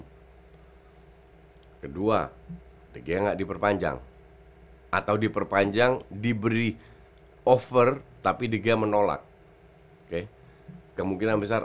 hai kedua dia nggak diperpanjang atau diperpanjang diberi over tapi dia menolak kemungkinan besar